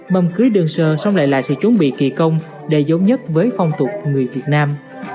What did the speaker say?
mâm cưới đơn sơ xong lại là sự chuẩn bị kỳ công để giống nhất với phong tục người việt nam